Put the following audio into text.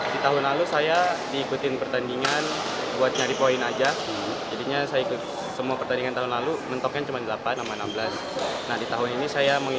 saya mau ikutkan profesional sampai masuk di pbsi